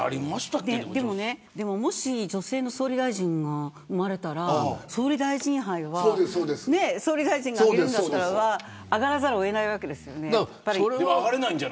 もし女性の総理大臣が生まれたら総理大臣杯は総理大臣があげるんだったら上がらざるを得ないわけですよね。